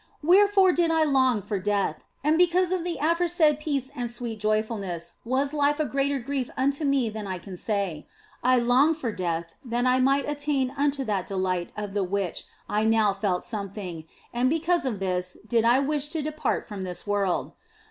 Wherefore did I long for death, and because of the aforesaid peace and sweet joyfulness was life a greater grief unto me than I can say. I longed for death that I might attain unto that delight of the which I now felt something, and because of this did I wish to depart from this world.